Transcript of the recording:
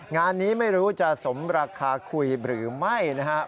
งานนี้ไม่รู้จะสมราคาคุยหรือไม่นะครับ